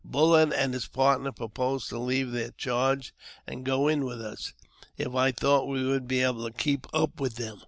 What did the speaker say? BuUard and his partner proposed to leave their charge and go in with us, if I thought we would be able to keep up with them.